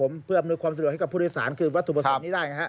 ใช่ครับให้ผู้โดยสารจากวัตถุประสบนี้ได้